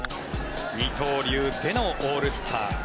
二刀流でのオールスター。